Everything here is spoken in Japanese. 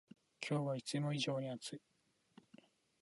今日はいつも以上に暑い